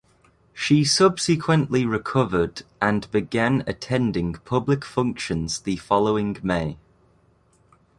She subsequently recovered and began attending public functions the following May.